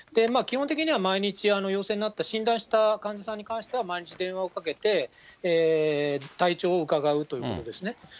基本的には毎日、陽性になった、診断した患者さんに関しては毎日電話をかけて、体調を伺うということですね。